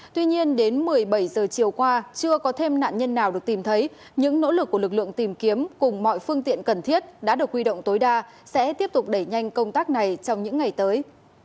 tuy nhiên đến một mươi bảy giờ chiều qua chưa có thêm nạn nhân nào được tìm thấy những nỗ lực của lực lượng tìm kiếm cùng mọi phương tiện cần thiết đã được huy động tối đa sẽ tiếp tục đẩy nhanh công tác này trong những ngày tới